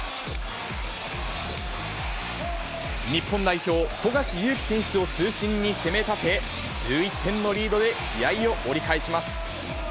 日本代表、富樫勇樹選手を中心に攻め立て、１１点のリードで試合を折り返します。